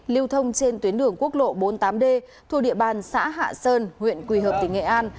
lưu thông trên tuyến đường quốc lộ bốn mươi tám d thuộc địa bàn xã hạ sơn huyện quỳ hợp tỉnh nghệ an